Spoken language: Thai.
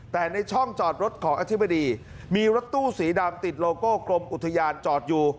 แต่ในช่องจอดรถของอธิบดีมีรถตู้สีดำติดโลโก้กรมอุทยานจอดอยู่